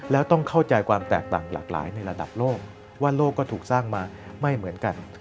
แล้วต้องเข้าใจความแตกต่างหลากหลายในระดับโลกว่าโลกก็ถูกสร้างมาไม่เหมือนกัน